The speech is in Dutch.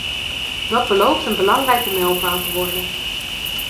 Dat belooft een belangrijke mijlpaal te worden.